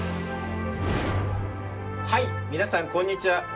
はい皆さんこんにちは！